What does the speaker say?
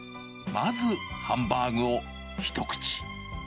まずハンバーグを一口。